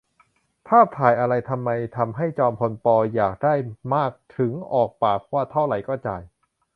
ภาพถ่ายอะไร ? ทำไมทำให้จอมพล ป. อยากได้มากถึงออกปากว่า เท่าไหร่ก็จ่าย